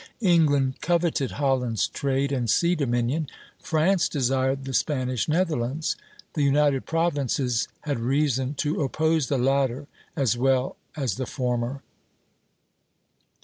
England coveted Holland's trade and sea dominion; France desired the Spanish Netherlands. The United Provinces had reason to oppose the latter as well as the former.